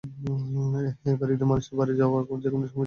এবার ঈদে মানুষের বাড়ি যাওয়া যেকোনো সময়ের চেয়ে অনেক বেশি নির্বিঘ্ন হবে।